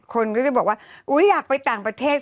คนก็จะบอกว่าอุ๊ยอยากไปต่างประเทศ